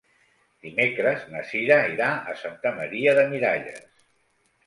Dimecres na Cira irà a Santa Maria de Miralles.